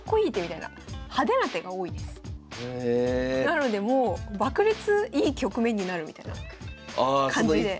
なのでもう爆裂いい局面になるみたいな感じで。